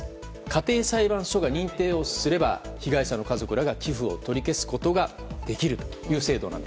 家庭裁判所が認定をすれば被害者の家族らが寄付を取り消すことができるという制度。